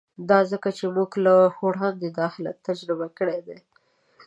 دا ځکه چې موږ له وړاندې دا حالت تجربه کړی دی